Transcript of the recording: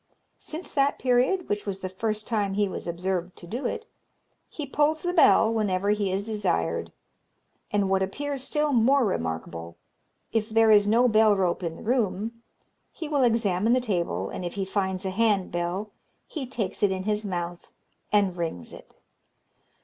Since that period, which was the first time he was observed to do it, he pulls the bell whenever he is desired; and what appears still more remarkable, if there is no bell rope in the room, he will examine the table, and if he finds a hand bell, he takes it in his mouth and rings it.